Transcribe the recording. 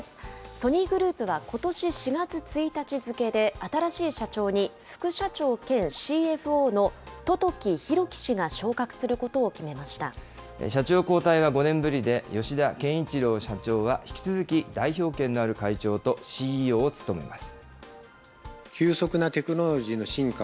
ソニーグループは、ことし４月１日付で新しい社長に副社長兼ＣＦＯの十時裕樹氏が昇社長交代は５年ぶりで、吉田憲一郎社長は引き続き代表権のある会長とＣＥＯを務めます。